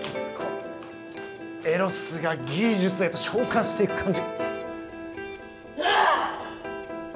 エロスが芸術へと昇華していく感じ。